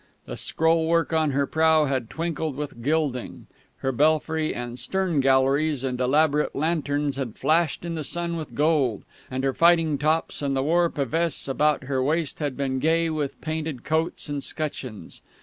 The scroll work on her prow had twinkled with gilding; her belfry and stern galleries and elaborate lanterns had flashed in the sun with gold; and her fighting tops and the war pavesse about her waist had been gay with painted coats and scutcheons.